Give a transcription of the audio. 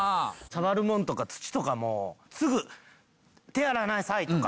触るものとか土とかもすぐ「手洗いなさい！」とか。